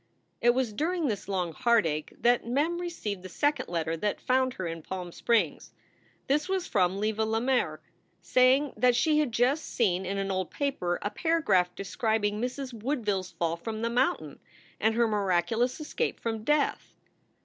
It was during this long heartache that Mem received the second letter that found her in Palm Springs. This was from Leva Lemaire, saying that she had just seen in an old paper a paragraph describing Mrs. Woodville s fall from the moun tain and her miraculous escape from death.